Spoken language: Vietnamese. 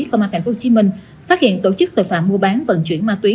công an tp hcm phát hiện tổ chức tội phạm mua bán vận chuyển ma túy